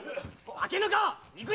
開けぬか！